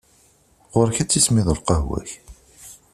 Ɣur-k ad tismiḍ lqahwa-k!